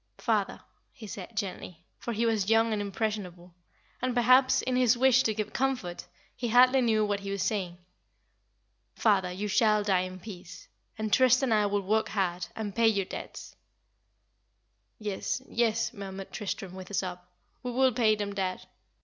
"Father," he said, gently, for he was young and impressionable, and perhaps, in his wish to give comfort, he hardly knew what he was saying. "Father, you shall die in peace; and Trist and I will work hard, and pay your debts." "Yes, yes," murmured Tristram, with a sob; "we will pay them, dad."